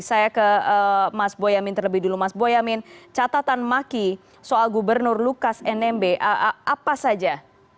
saya ke mas boyamin terlebih dulu mas boyamin catatan maki soal gubernur lukas nmb apa saja